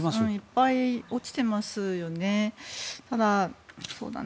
いっぱい落ちてますよね。